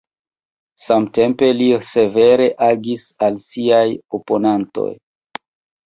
Samtempe li severe agis al siaj oponantoj.